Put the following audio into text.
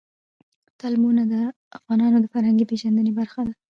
تالابونه د افغانانو د فرهنګي پیژندنې برخه ده.